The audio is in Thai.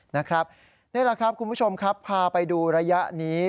นี่แหละครับคุณผู้ชมครับพาไปดูระยะนี้